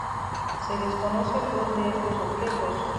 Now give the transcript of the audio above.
Se desconoce el rol de estos objetos.